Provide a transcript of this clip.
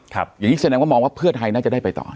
อย่างนี้แสดงว่ามองว่าเพื่อไทยน่าจะได้ไปต่อ